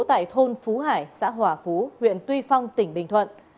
tại thôn phú hải xã hòa phú huyện tuy phong tỉnh bình thuận